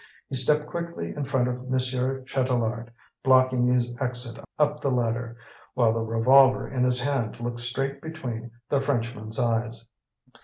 He stepped quickly in front of Monsieur Chatelard, blocking his exit up the ladder, while the revolver in his hand looked straight between the Frenchman's eyes.